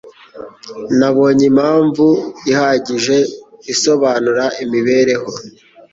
Nabonye impamvu ihagije isobanura imibereho